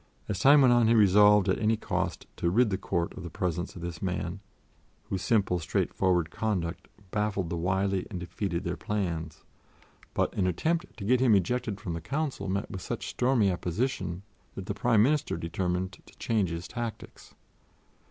As time went on he resolved at any cost to rid the Court of the presence of this man, whose simple, straightforward conduct baffled the wily and defeated their plans; but an attempt to get him ejected from the Council met with such stormy opposition that the Prime Minister determined to change his tactics.